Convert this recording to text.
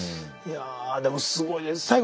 いやあでもすごいです。